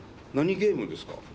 何ゲームですか？